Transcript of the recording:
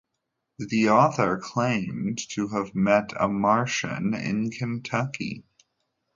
The author claimed to have met a Martian in Kentucky.